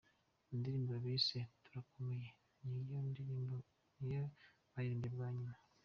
Indirimbo bise 'Turakomeye' ni yo baririmbye bwa nyuma.